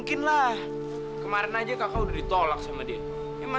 k grandi kedua